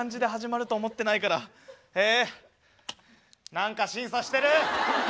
何か審査してる！